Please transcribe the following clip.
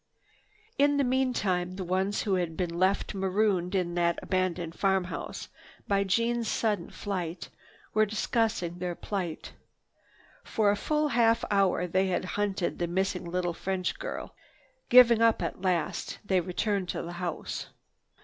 In the meantime the ones who had been left marooned in that abandoned farmhouse by Jeanne's sudden flight were discussing their plight. For a full half hour they had hunted the missing little French girl. Giving this up at last, they returned to the house.